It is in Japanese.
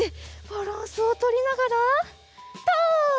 バランスをとりながらとう！